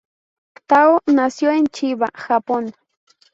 Tao nació en Chiba, Japón.